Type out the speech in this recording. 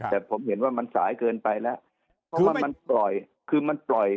แต่ผมเห็นว่ามันสายเกินไปแล้วเพราะว่ามันปล่อยคือมันปล่อย